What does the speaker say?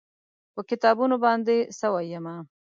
په کتابونو باندې سوی یمه